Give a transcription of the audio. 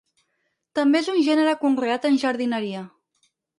També és un gènere conreat en jardineria.